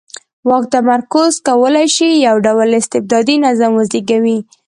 د واک تمرکز کولای شي یو ډ ول استبدادي نظام وزېږوي.